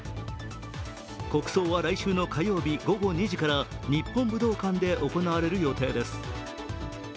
国葬は来週の火曜日午後２時から日本武道館で行われる予定です。